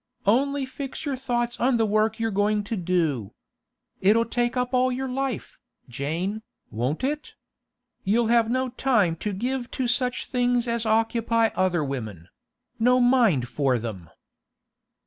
Only fix your thoughts on the work you're going to do. It'll take up all your life, Jane, won't it? You'll have no time to give to such things as occupy other women—no mind for them.